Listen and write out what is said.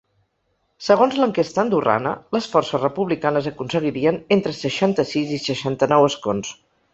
Segons l’enquesta andorrana, les forces republicanes aconseguirien entre seixanta-sis i seixanta-nou escons.